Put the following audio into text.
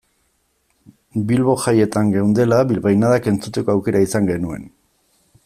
Bilbo jaietan geundela bilbainadak entzuteko aukera izan genuen.